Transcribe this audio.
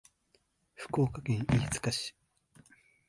福岡県飯塚市